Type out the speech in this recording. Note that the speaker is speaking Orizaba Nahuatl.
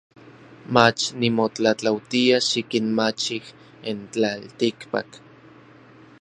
Mach nimotlatlautia xikinmachij n tlaltikpak.